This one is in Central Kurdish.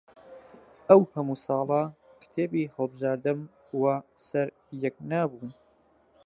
ئەو هەموو ساڵە کتێبی هەڵبژاردەم وە سەر یەک نابوو